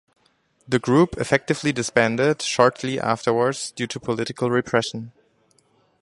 The group effectively disbanded shortly afterward due to political repression.